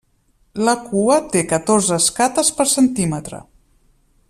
La cua té catorze escates per centímetre.